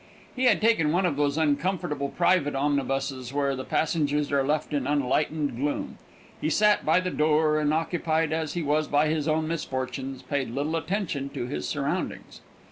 He had taken one of those uncomfortable private omnibuses, where the passengers are left in unlightened gloom. He sat by the door, and, occupied as he was by his own misfortunes, paid little attention to his surroundings.